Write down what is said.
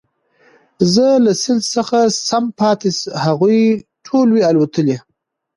زه له سېل څخه سم پاته هغوی ټول وي الوتلي